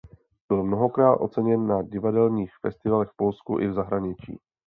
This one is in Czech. Byl mnohokrát oceněn na divadelních festivalech v Polsku i v zahraničí.